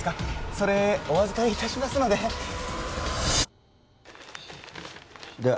それお預かりいたしますのででは